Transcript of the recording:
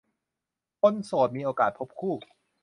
คนโสดมีโอกาสพบคู่